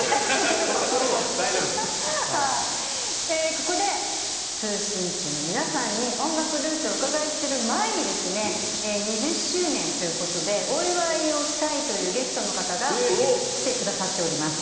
ここで四星球の皆さんに音楽ルーツをお伺いする前に２０周年ということでお祝いをしたいというゲストの方が来てくださってます。